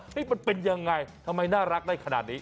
มันเป็นยังไงทำไมน่ารักได้ขนาดนี้